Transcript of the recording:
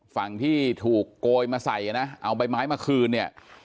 ฝั่งที่ถูกโกยมาใส่นะเอาใบไม้มาคืนเนี่ย